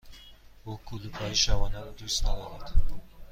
او کلوپ های شبانه را دوست ندارد.